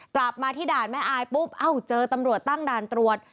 กลับมาที่ด่านแม่อายปุ๊บเอ้าเจอตำรวจตั้งด่านตรวจ